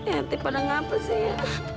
eh nanti pada ngapa sih ya